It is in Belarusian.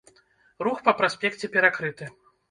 Рух па праспекце перакрыты.